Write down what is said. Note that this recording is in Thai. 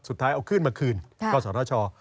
สุดท้ายเอาคลื่นมาคลื่นก็สรช